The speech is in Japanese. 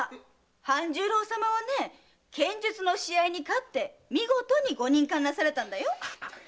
半十郎様は剣術の試合に勝って見事にご任官なされたの！